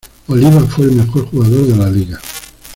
Oliva fue el mejor jugador de la liga.